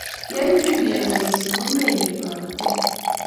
Yeitil iyai posyoi ko meiywei kabetet.